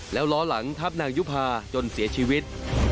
แล้วล้อหลังทับนางยุภาจนเสียชีวิต